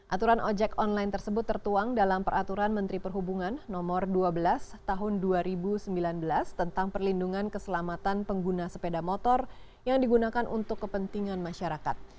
aturan ojek online tersebut tertuang dalam peraturan menteri perhubungan no dua belas tahun dua ribu sembilan belas tentang perlindungan keselamatan pengguna sepeda motor yang digunakan untuk kepentingan masyarakat